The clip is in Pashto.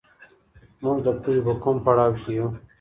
موږ د پوهي په کوم پړاو کي يو؟